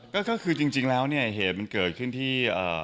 ก็คือจริงแล้วเนี่ยเหตุมันเกิดขึ้นที่